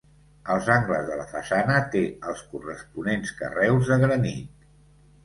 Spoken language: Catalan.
Als angles de la façana té els corresponents carreus de granit.